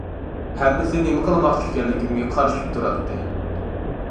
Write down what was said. ھەممىسى نېمە قىلماقچى ئىكەنلىكىمگە قارىشىپ تۇراتتى.